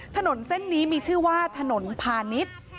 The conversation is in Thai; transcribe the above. ถนนเส้นนี้มีชื่อว่าถนนพาณิชย์